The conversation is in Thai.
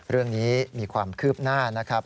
เรื่องนี้มีความคืบหน้านะครับ